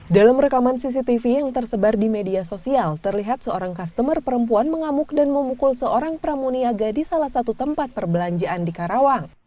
dalam rekaman cctv yang tersebar di media sosial terlihat seorang customer perempuan mengamuk dan memukul seorang pramuniaga di salah satu tempat perbelanjaan di karawang